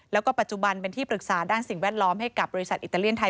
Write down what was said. แล้วก็ปัจจุบันเป็นที่ปรึกษาด้านสิ่งแวดล้อมให้กับบริษัทอิตาเลียนไทย